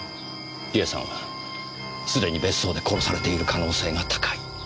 梨絵さんは既に別荘で殺されている可能性が高い。